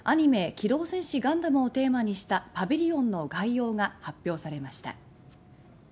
「機動戦士ガンダム」をテーマにしたパビリオンの概要が発表されました。